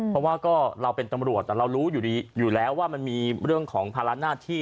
เพราะว่าก็เราเป็นตำรวจเรารู้อยู่แล้วว่ามันมีเรื่องของภาระหน้าที่